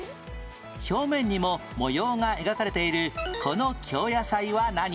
表面にも模様が描かれているこの京野菜は何？